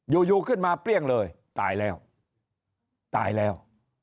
อยู่อยู่ขึ้นมาเปรี้ยงเลยตายแล้วตายแล้ว